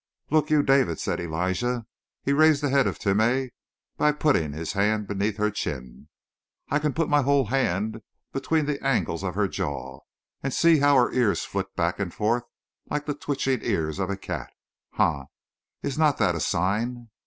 "Look you, David!" said Elijah. He raised the head of Timeh by putting his hand beneath her chin. "I can put my whole hand between the angles of her jaw! And see how her ears flick back and forth, like the twitching ears of a cat! Ha, is not that a sign?"